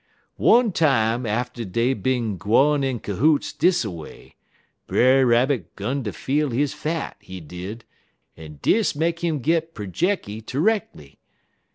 "One time atter dey bin gwine in cohoots dis a way, Brer Rabbit 'gun ter feel his fat, he did, en dis make 'im git projecky terreckly.